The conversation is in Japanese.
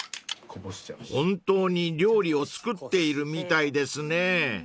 ［本当に料理を作っているみたいですね］